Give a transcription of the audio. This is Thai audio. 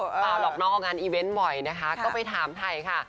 เปล่าหรอกน้องออกงานอีเวนต์บ่อยนะคะก็ไปถามไทยค่ะ